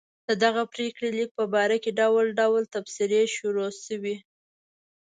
د دغه پرېکړه لیک په باره کې ډول ډول تبصرې شروع شوې.